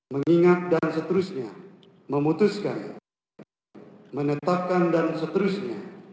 mengingat dan seterusnya memutuskan menetapkan dan seterusnya